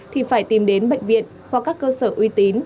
thì phải tìm đến bệnh viện hoặc các cơ sở uy tín